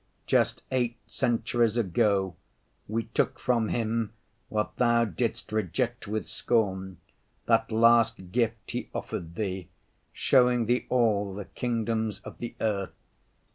Just eight centuries ago, we took from him what Thou didst reject with scorn, that last gift he offered Thee, showing Thee all the kingdoms of the earth.